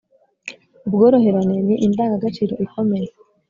ubworoherane ni indangagaciro ikomeye